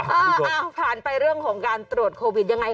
อ้าวผ่านไปเรื่องของการตรวจโควิดยังไง